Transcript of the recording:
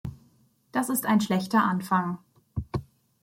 Das ist ein schlechter Anfang.